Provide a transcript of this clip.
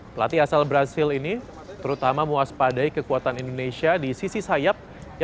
pelatih asal brazil ini terutama mewaspadai kekuatan indonesia di sisi sayap